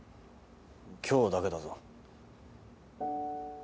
今日だけだぞ。